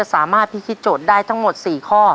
ส่วนได้ทั้งหมด๔ข้อ